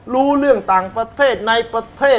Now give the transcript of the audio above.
รู้เรื่องต่างประเทศในประเทศ